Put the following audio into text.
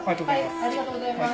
ありがとうございます。